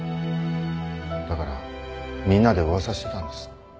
だからみんなで噂してたんです。